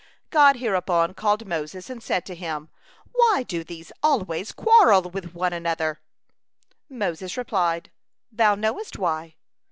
God hereupon called Moses, and said to him: "Why do these always quarrel one with another?" Moses replied: "Thou knowest why."